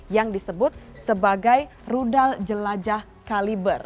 yang disebut sebagai rudal jelajah kaliber